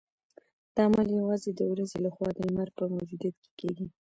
دا عمل یوازې د ورځې لخوا د لمر په موجودیت کې کیږي